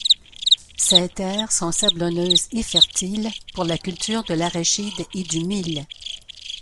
Ses terres sont sablonneuses et fertiles pour la cultures de l'arachide et du mil.